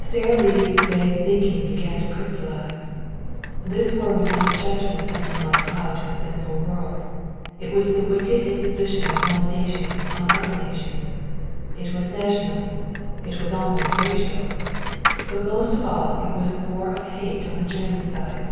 Sara Lee's vague thinking began to crystallize. This war was not a judgment sent from on high to a sinful world. It was the wicked imposition of one nation on other nations. It was national. It was almost racial. But most of all it was a war of hate on the German side.